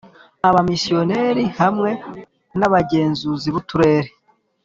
abamisiyonari hamwe nabagenzuzi buturere